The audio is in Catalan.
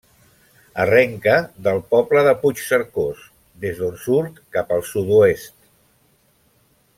Arrenca del poble de Puigcercós, des d'on surt cap al sud-oest.